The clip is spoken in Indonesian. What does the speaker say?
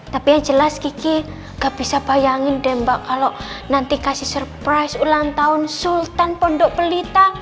tapi yang jelas kiki gak bisa bayangin deh mbak kalau nanti kasih surprise ulang tahun sultan pondok pelita